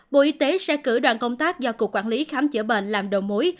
bộ y tế sẽ cử đoàn công tác do cục quản lý khám chữa bệnh làm đầu mối